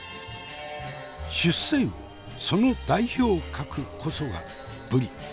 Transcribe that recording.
出世魚その代表格こそがぶり。